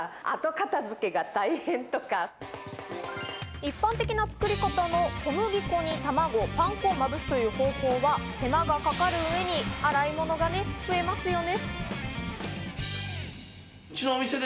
一般的な作り方の小麦粉に卵、パン粉をまぶすという方法は手間がかかる上に洗い物が増えますよね。